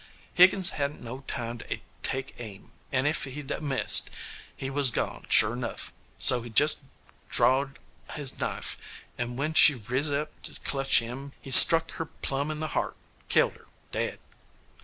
Higgins hadn't no time to take aim, and ef he'd 'a missed he was gone, sure 'nough; so he jest drawred his knife, and when she riz up to clutch him he stuck her plum in the heart. Killed her, dead.